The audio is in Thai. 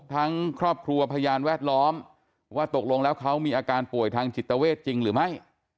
ทั้งครอบครัวพยานแวดล้อมว่าตกลงแล้วเขามีอาการป่วยทางจิตเวทจริงหรือไม่